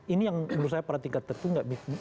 ini yang menurut saya pada tingkat tertentu nggak